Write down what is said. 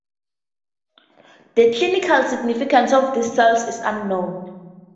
The clinical significance of these cells is unknown.